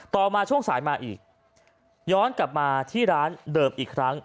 ต่อมาช่วงสายมาอีกย้อนกลับมาที่ร้านเดิมอีกครั้ง